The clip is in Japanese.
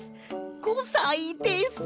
５さいです。